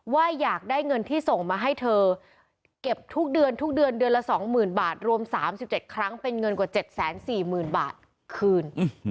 ว่าอยากได้เงินที่ส่งมาให้เธอเก็บทุกเดือนทุกเดือนเดือนละ๒๐๐๐บาทรวม๓๗ครั้งเป็นเงินกว่า๗๔๐๐๐บาทคืน